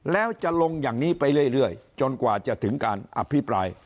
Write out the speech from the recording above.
แล้วจะลงอย่างนี้ไปเรื่อยจนกว่าจะถึงการอภิปราย